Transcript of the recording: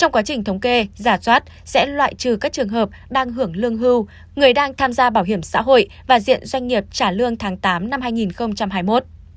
trong quá trình thống kê giả soát sẽ loại trừ các trường hợp đang hưởng lương hưu người đang tham gia bảo hiểm xã hội và diện doanh nghiệp trả lương tháng tám năm hai nghìn hai mươi một